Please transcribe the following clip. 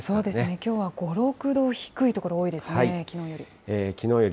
きょうは５、６度低い所が多いですね、きのうより。